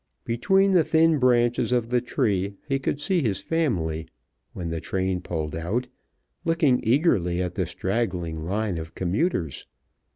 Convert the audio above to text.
Between the thin branches of the tree he could see his family, when the train pulled out, looking eagerly at the straggling line of commuters.